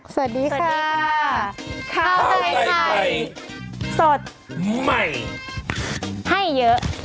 สวัสดีค่ะข้าวใส่ไข่สดใหม่ให้เยอะ